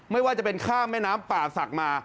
ไม่ว่าจะเป็นข้ามแม่น้ำป่าศักดิ์มา